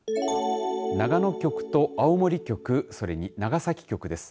長野局と青森局それに長崎局です。